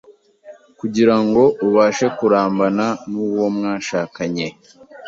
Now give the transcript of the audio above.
kugira ngo ubashe kurambana n’uwo mwashakanye